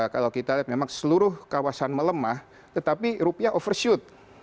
kalau kita lihat memang seluruh kawasan melemah tetapi rupiah overshoot